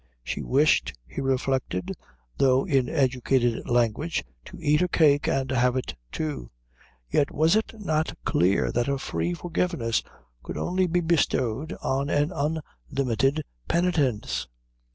She wished, he reflected, though in educated language, to eat her cake and have it, too. Yet was it not clear that a free forgiveness could only be bestowed on an unlimited penitence?